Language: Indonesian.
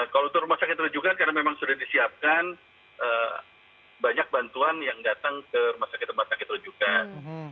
kalau untuk rumah sakit rujukan karena memang sudah disiapkan banyak bantuan yang datang ke rumah sakit rumah sakit rujukan